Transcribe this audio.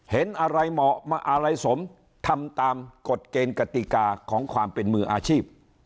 เห็นอะไรเหมาะมาอะไรสมทำตามกฎเกณฑ์กติกาของความเป็นมืออาชีพ